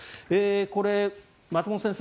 これ、松本先生